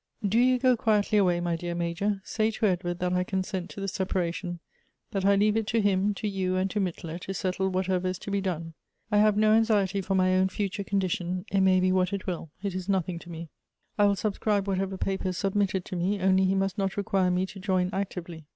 Elective Affinities. 285 ' "Do you go quietly away, my dear Major; say to Edward that I consent to the separation ; that I leave it to him, to you, and to Mittler, to settle whatever is to be done. I have no anxiety for my own future condi tion; it may be what it will; it is nothing to me. I will subscribe whatever paper is submitted to me, only he must not require me to join actively.